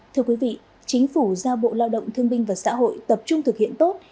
thưa quý vị chính phủ giao bộ lao động thương binh và xã hội tập trung thực hiện tốt